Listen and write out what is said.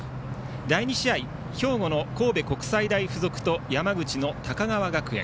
第２試合は兵庫の神戸国際大付属と山口の高川学園。